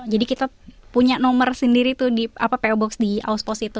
jadi kita punya nomor sendiri itu di po box di auspost itu